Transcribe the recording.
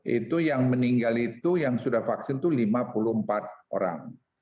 itu yang meninggal itu yang sudah vaksin itu lima puluh empat orang